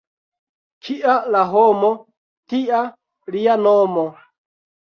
Kia la homo, tia lia nomo.